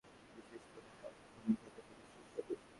বিশেষ করে হাঁস ভুনা খেতে খুবই সুস্বাদু।